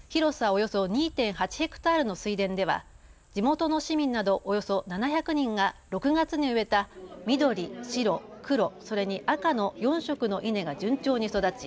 およそ２．８ヘクタールの水田では地元の市民などおよそ７００人が６月に植えた緑、白、黒、それに赤の４色の稲が順調に育ち